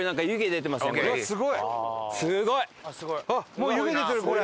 もう湯気出てるこれ！